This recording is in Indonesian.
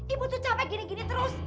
ibu tuh capek gini gini terus